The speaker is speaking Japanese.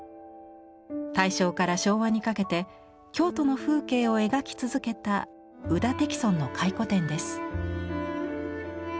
大正から昭和にかけて京都の風景を描き続けた宇田荻の回顧展です。